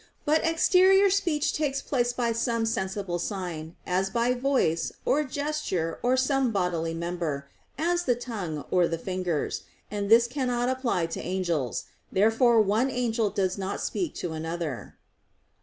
But exterior speech takes place by some sensible sign, as by voice, or gesture, or some bodily member, as the tongue, or the fingers, and this cannot apply to the angels. Therefore one angel does not speak to another.